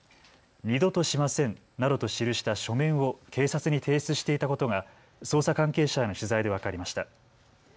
二度としませんなどと記した書面を警察に提出していたことが捜査関係者への取材で分かりました。